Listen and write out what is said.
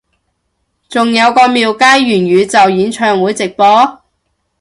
仲有個廟街元宇宙演唱會直播？